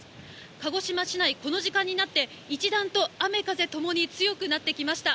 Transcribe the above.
鹿児島市内、この時間になって、一段と雨、風ともに強くなってきました。